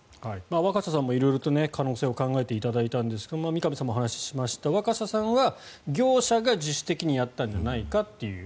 若狭さんも色々と可能性を考えていただいたんですが三上さんもお話ししました若狭さんは業者が自主的にやったんじゃないかという。